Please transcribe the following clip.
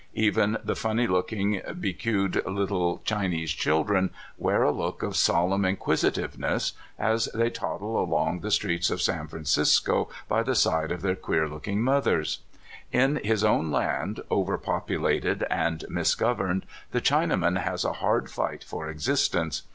Even the funny looking, be cued little Chinese children wear a look of solemn inquisitive ness, as they toddle along the streets of San Fran cisco by the side of their queer looking mothers. In his own land, over populated and misgoverned, the Chinaman has a hard fight for existence.